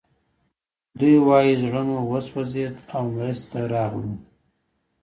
دوی وايي زړه مو وسوځېد او مرستې ته راغلو